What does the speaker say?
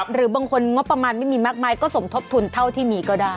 หรือบางคนงบประมาณไม่มีมากมายก็สมทบทุนเท่าที่มีก็ได้